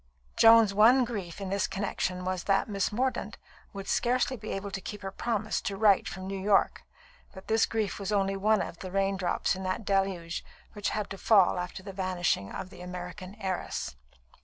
Joan's one grief in this connexion was that Miss Mordaunt would scarcely be able to keep her promise to write from New York; but this grief was only one of the rain drops in that "deluge" which had to fall after the vanishing of the American heiress.